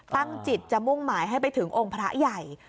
ตั้งจิตจะมุ่งหมายให้ไปถึงองค์พระใหญ่